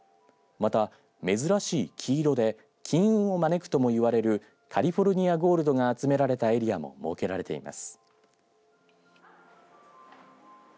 また珍しい黄色で金運を招くともいわれるカリフォルニアゴールドが集められたエリアも設けられています。